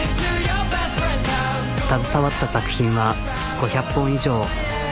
携わった作品は５００本以上。